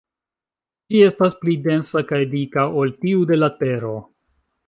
Ĝi estas pli densa kaj dika ol tiu de la Tero.